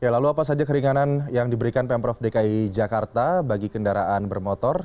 lalu apa saja keringanan yang diberikan pemprov dki jakarta bagi kendaraan bermotor